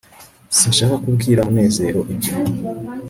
sinshaka kubwira munezero ibyo